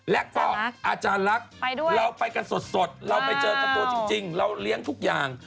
และก็อาจารย์ลักษณ์เราไปกันสดเราไปเจอกับตัวจริงเราเลี้ยงทุกอย่าง